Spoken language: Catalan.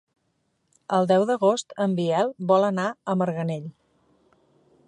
El deu d'agost en Biel vol anar a Marganell.